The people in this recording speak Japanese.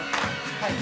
はい。